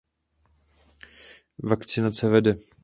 Vakcinace vede.